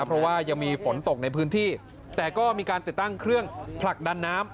เพราะว่ายังมีฝนตกในพื้นที่แต่ก็มีการติดตั้งเครื่องผลักดันน้ำ